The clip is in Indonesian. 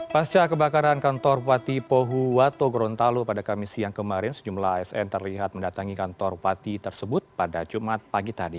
pasca kebakaran kantor bupati pohuwato gorontalo pada kamis siang kemarin sejumlah asn terlihat mendatangi kantor bupati tersebut pada jumat pagi tadi